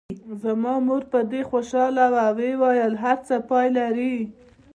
زما مور په دې خوشاله وه او ویل یې هر څه پای لري.